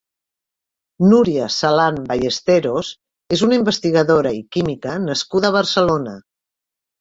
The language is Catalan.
Núria Salán Ballesteros és una investigadora i química nascuda a Barcelona.